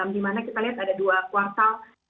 di mana kita lihat ada dua kuartal